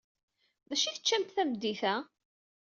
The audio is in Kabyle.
D acu ay teččamt tameddit-a?